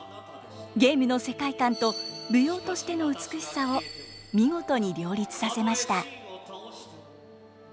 ゲームの世界観と舞踊としての美しさを見事に両立させました。